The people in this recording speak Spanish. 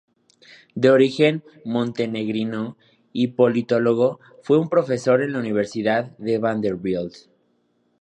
De origen montenegrino, y politólogo, fue profesor en la Universidad de Vanderbilt.